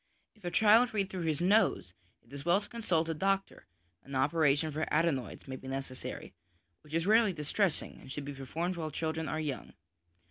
If a child read through his nose, it is well to consult a doctor; an operation for adenoids may be necessary, which is rarely distressing, and should be performed while children are young.